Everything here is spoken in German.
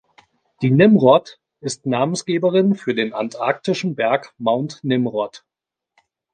Die "Nimrod" ist Namensgeberin für den antarktischen Berg Mount Nimrod.